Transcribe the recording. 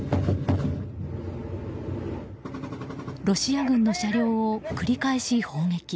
ロシア軍の車両を繰り返し砲撃。